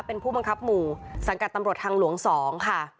เป็นผู้บังคับหมู่สังกัดตำรวจทางหลวง๒ค่ะ